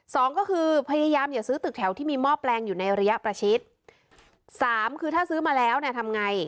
สองก็คือพยายามอย่าซื้อตึกแถวที่มีหม้อแปลงอยู่ในระยะประชิดสามคือถ้าซื้อมาแล้วเนี่ยทำไง